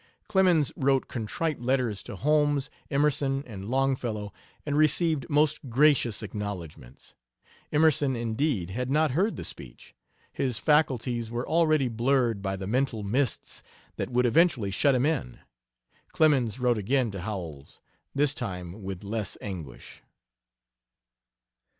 Clemens wrote contrite letters to Holmes, Emerson, and Longfellow, and received most gracious acknowledgments. Emerson, indeed, had not heard the speech: His faculties were already blurred by the mental mists that would eventually shut him in. Clemens wrote again to Howells, this time with less anguish.